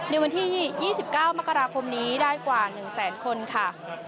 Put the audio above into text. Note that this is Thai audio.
ในวันที่๒๙มกราคมนี้ได้กว่า๑แสนคนค่ะ